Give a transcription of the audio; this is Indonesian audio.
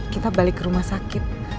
kita balik ke rumah sakit